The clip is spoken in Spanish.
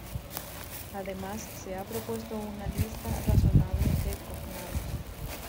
Además se ha propuesto una lista razonable de cognados.